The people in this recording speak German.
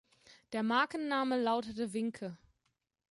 Der Markenname lautete Vincke.